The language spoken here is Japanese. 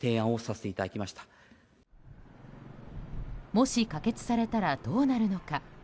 もし可決されたらどうなるのか。